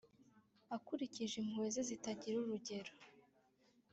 akurikije impuhwe ze zitagira urugero;